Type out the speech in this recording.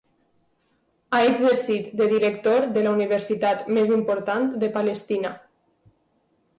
Ha exercit de director de la universitat més important de Palestina.